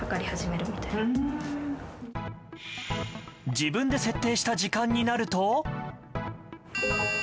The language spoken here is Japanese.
自分で設定した時間になると。